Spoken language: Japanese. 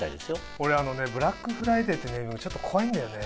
俺ブラックフライデーってちょっと怖いんだよね。